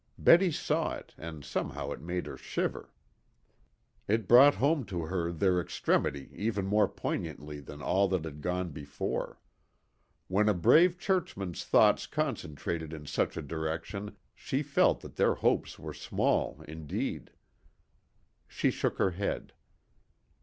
Betty saw it, and somehow it made her shiver. It brought home to her their extremity even more poignantly than all that had gone before. When a brave churchman's thoughts concentrated in such a direction she felt that their hopes were small indeed. She shook her head.